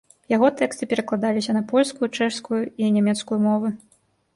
Яго тэксты перакладаліся на польскую, чэшскую і нямецкую мовы.